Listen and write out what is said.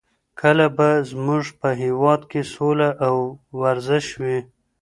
کله به زموږ په هېواد کې سوله او ورزش وي؟